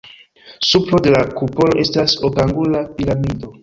Supro de la kupolo estas okangula piramido.